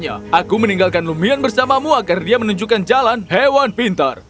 aku meninggalkan lumian bersamamu agar dia menunjukkan jalan hewan pintar